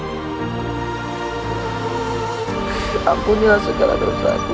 jangan patikan aku dalam kehinaan